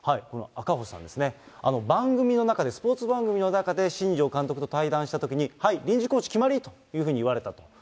赤星さんですね、番組の中で、スポーツ番組の中で、新庄監督と対談したときに、はい、臨時コーチ決まりというふうに言われたと。